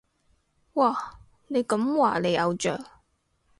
哇，你咁話你偶像？